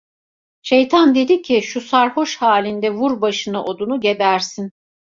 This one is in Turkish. Şeytan dedi ki, şu sarhoş halinde vur başına odunu, gebersin!